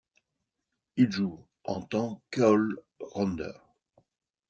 Il joue en tant qu'all-rounder.